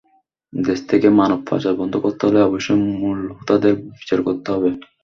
দেশ থেকে মানব পাচার বন্ধ করতে হলে অবশ্যই মূল হোতাদের বিচার করতে হবে।